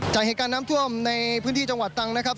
จากเหตุการณ์น้ำท่วมในพื้นที่จังหวัดตรังนะครับ